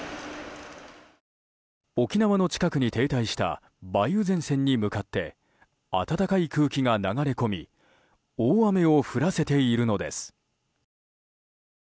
沖縄の近くに停滞した梅雨前線に向かって暖かい空気が流れ込み大雨を降らせているのです。